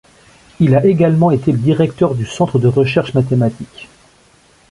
Il a également été directeur du Centre de recherches mathématiques.